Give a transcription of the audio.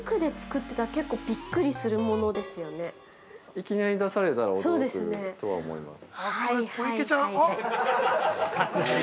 ◆いきなり出されたら驚くとは思います。